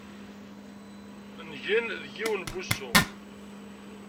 Ngen deg yiwen n wusu.